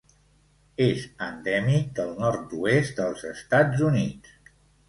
És endèmic del nord-oest dels Estats Units.